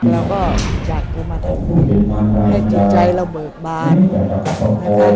เราก็อยากจะมาทำบุญให้จิตใจเราเบิกบานนะคะ